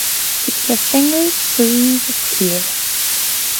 She put her fingers through the tear.